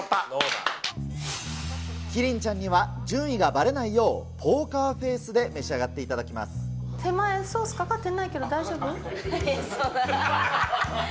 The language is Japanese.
キリンちゃんには、順位がばれないよう、ポーカーフェースで召し上がっていただきま手前、ソースかかってないけど、大丈夫？